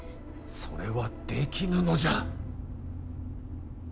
それはできぬのじゃ。